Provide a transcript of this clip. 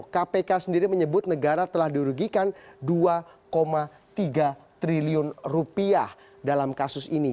kpk sendiri menyebut negara telah dirugikan dua tiga triliun rupiah dalam kasus ini